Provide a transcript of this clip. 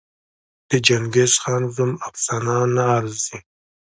د چنګېزخان زوم افسانه نه ارزي.